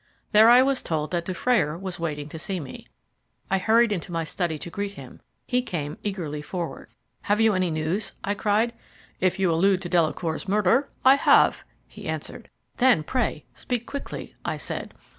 There I was told that Dufrayer was waiting to see me. I hurried into my study to greet him; he came eagerly forward. "Have you any news?" I cried. "If you allude to Delacour's murder, I have," he answered. "Then, pray speak quickly," I said.